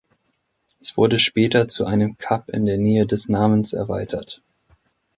Es wurde später zu einem Kap in der Nähe des Namens erweitert.